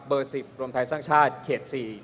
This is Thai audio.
๑๐รวมไทยสร้างชาติเขต๔